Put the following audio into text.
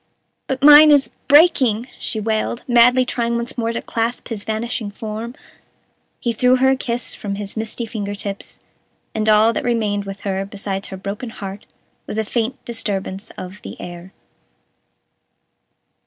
"But mine is breaking," she wailed, madly trying once more to clasp his vanishing form. He threw her a kiss from his misty finger tips, and all that remained with her, besides her broken heart, was a faint disturbance of the air.